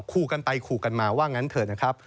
ขู่กันไปขู่กันมาว่างั้นเถอะนะครับ